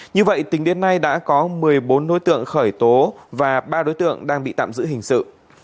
như vậy tính đến nay đã có một mươi bốn đối tượng khởi tố và ba đối tượng đang bị tạm giữ hình sự